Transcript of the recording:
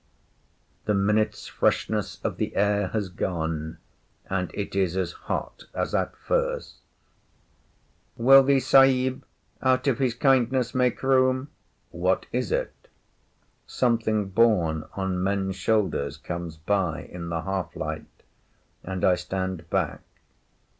The minute’s freshness of the air has gone, and it is as hot as at first. ‘Will the Sahib, out of his kindness, make room?’ What is it? Something borne on men’s shoulders comes by in the half light, and I stand back.